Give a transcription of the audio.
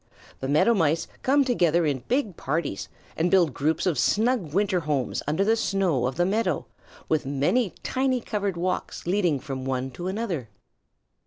The Meadow Mice come together in big parties and build groups of snug winter homes under the snow of the meadow, with many tiny covered walks leading from one to another.